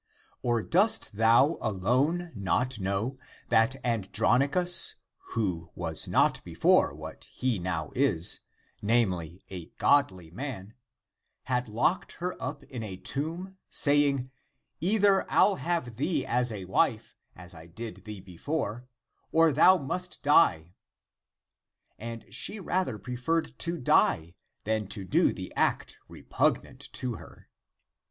Or dost thou alone not know that An dronicus, who was not before what he now is, namely a godly man, had locked her up in a tomb, saying, " Either I'll have thee as a wife, as I had thee before, or thou must die? And she rather preferred to die than to do the act repugnant to her.